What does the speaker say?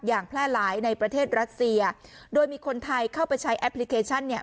แพร่หลายในประเทศรัสเซียโดยมีคนไทยเข้าไปใช้แอปพลิเคชันเนี่ย